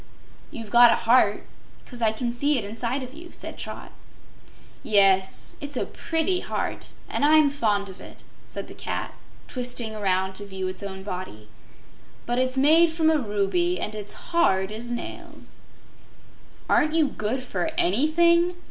"You've got a heart, 'cause I can see it inside of you," said Trot. "Yes; it's a pretty heart, and I'm fond of it," said the cat, twisting around to view its own body. "But it's made from a ruby, and it's hard as nails." "Aren't you good for ANYthing?"